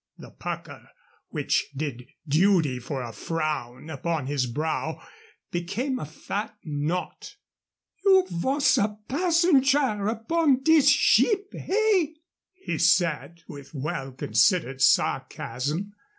The pucker which did duty for a frown upon his brow became a fat knot. "You vhos a passenger upon dis schip, hey?" he said, with well considered sarcasm.